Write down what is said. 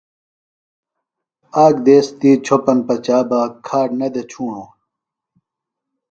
آک دیس تی چھوۡپن پچا بہ کھاڈ نہ دےۡ ڇُھوݨوۡ۔